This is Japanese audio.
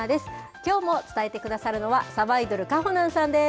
きょうも伝えてくださるのは、さばいどる、かほなんさんです。